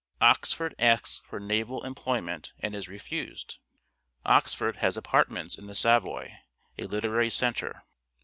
Oxford asks for naval employment and is refused. Oxford has apartments in the Savoy : a literary centre.